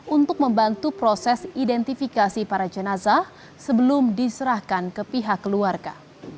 untuk membantu proses identifikasi para jenazah sebelum diserahkan ke pihak keluarga